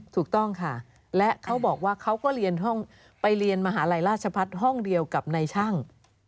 ถูกต้องค่ะและเขาบอกว่าเขาก็เรียนห้องไปเรียนมหาลัยราชพัฒน์ห้องเดียวกับนายช่าง